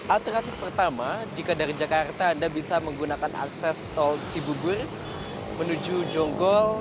alternatif pertama jika dari jakarta anda bisa menggunakan akses tol cibubur menuju jonggol